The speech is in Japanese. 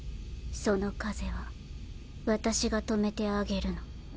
その風は私が止めてあげるの。